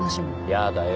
やだよ。